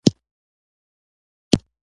که په ناروغۍ سیمه کې چرک جمع شوی وي.